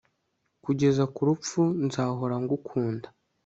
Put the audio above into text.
Kugeza ku rupfu nzahora ngukunda